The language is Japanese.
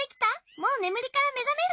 もうねむりからめざめる？